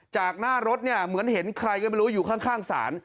จากหน้ารถเนี่ยเหมือนเห็นใครก็ไม่รู้อยู่ข้างศาล